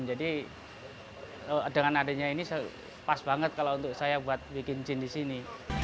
jadi dengan adanya ini pas banget kalau untuk saya buat bikin jeans di sini